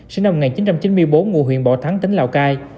sinh năm một nghìn chín trăm chín mươi bốn ngủ huyện bỏ thắng tỉnh lào cai